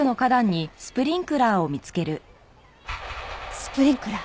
スプリンクラー。